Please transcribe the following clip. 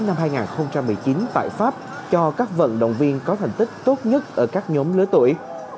năm hai nghìn một mươi chín tại pháp cho các vận động viên có thành tích tốt nhất ở các nhóm lứa tuổi